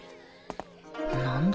何だ？